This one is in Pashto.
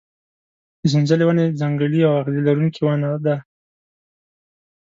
د سنځلې ونه ځنګلي او اغزي لرونکې ونه ده.